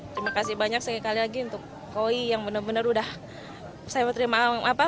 terima kasih banyak sekali lagi untuk koi yang benar benar udah saya terima